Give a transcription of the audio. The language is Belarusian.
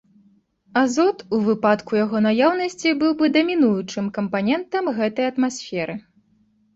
Азот, у выпадку яго наяўнасці, быў бы дамінуючым кампанентам гэтай атмасферы.